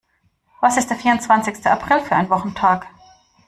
Was ist der vierundzwanzigste April für ein Wochentag?